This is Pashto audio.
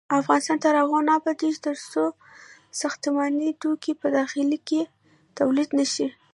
افغانستان تر هغو نه ابادیږي، ترڅو ساختماني توکي په داخل کې تولید نشي.